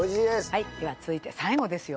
はいでは続いて最後ですよ。